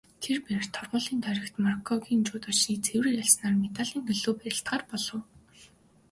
Тэр бээр торгуулийн тойрогт Мороккогийн жүдочийг цэвэр ялснаар медалийн төлөө барилдахаар болов.